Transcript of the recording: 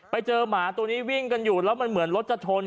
ไปเจอหมาตัวนี้วิ่งกันอยู่แล้วมันเหมือนรถจะชน